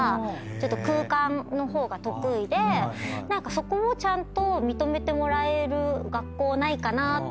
そこをちゃんと認めてもらえる学校ないかなって